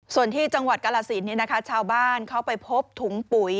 ส่วนที่จังหวัดกาลสินชาวบ้านเขาไปพบถุงปุ๋ย